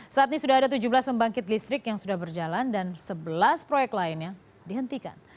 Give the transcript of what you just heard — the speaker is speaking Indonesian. saat ini sudah ada tujuh belas pembangkit listrik yang sudah berjalan dan sebelas proyek lainnya dihentikan